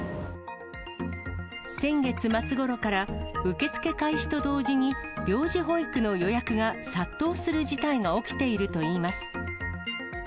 先月末ごろから、受け付け開始と同時に、病児保育の予約が殺到する事態が起きているといいます。